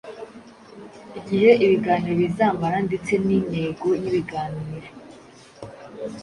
igihe ibiganiro bizamara ndetse n’intego y’ibiganiro.